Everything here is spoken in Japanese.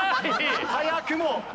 早くも。